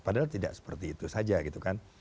padahal tidak seperti itu saja gitu kan